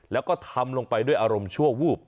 แล้วก็ทำลงไปด้วยอารมณ์ชั่ววูบ